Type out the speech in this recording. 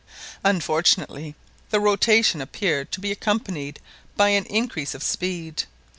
Unfortunately the rotation appeared to be accompanied by an increase of speed.